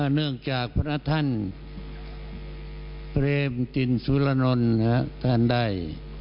เนื่องจากพระท่านเปรมตินสุรนนท์ท่านได้